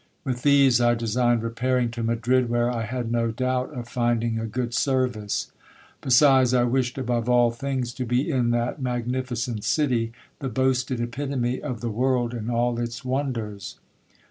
With these I designed repairing to Madrid, where I had no doubt of finding a good service. Besides, I wished above all things to be in that magnificent city, the boasted epitome of the world and all its wonders.